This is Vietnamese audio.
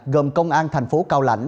gồm công an tp cao lãnh